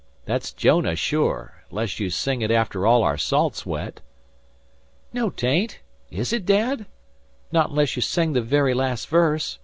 That's Jonah sure, 'less you sing it after all our salt's wet." "No, 'tain't, is it, Dad? Not unless you sing the very las' verse.